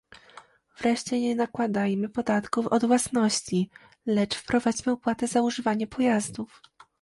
Wreszcie nie nakładajmy podatków od własności, lecz wprowadźmy opłaty za używanie pojazdów